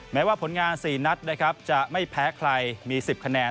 แม้ว่าผลงาน๔นัดนะครับจะไม่แพ้ใครมี๑๐คะแนน